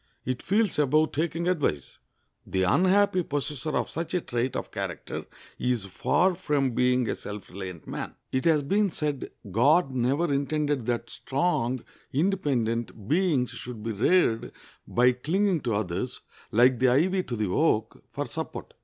It feels above taking advice. The unhappy possessor of such a trait of character is far from being a self reliant man. It has been said God never intended that strong, independent beings should be reared by clinging to others, like the ivy to the oak, for support.